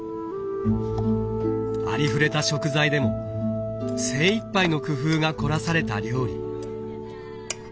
ありふれた食材でも精いっぱいの工夫が凝らされた料理。